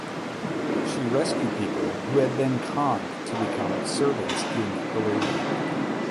She rescued people who had been conned to be come servants in Arabia.